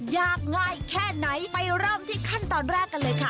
ยากง่ายแค่ไหนไปเริ่มที่ขั้นตอนแรกกันเลยค่ะ